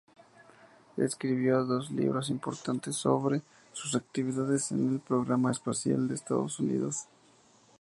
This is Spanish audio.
Escribió dos libros importantes sobre sus actividades en el programa espacial de Estados Unidos.